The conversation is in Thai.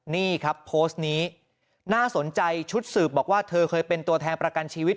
นี่ครับโพสต์นี้น่าสนใจชุดสืบบอกว่าเธอเคยเป็นตัวแทนประกันชีวิต